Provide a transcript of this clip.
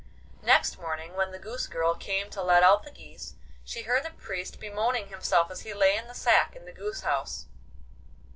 Next morning, when the goose girl came to let out the geese, she heard the Priest bemoaning himself as he lay in the sack in the goose house.